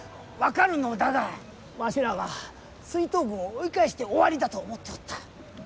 わしらは追討軍を追い返して終わりだと思っておった。